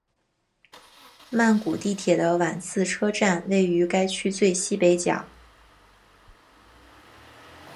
曼谷地铁的挽赐车站位于该区最西北角。